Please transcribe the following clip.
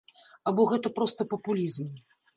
Або гэта проста папулізм?